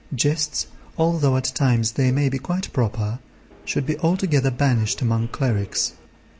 Jests, although at times they may be quite proper, should be altogether banished among clerics.